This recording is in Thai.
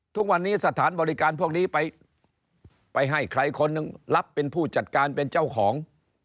ทุกวันนี้สถานบริการพวกนี้ไปให้ใครคนหนึ่งรับเป็นผู้จัดการเป็นเจ้าของ